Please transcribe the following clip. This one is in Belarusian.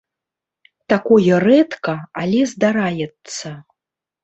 Такое рэдка, але здараецца.